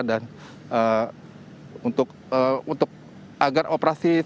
dan untuk agar operasi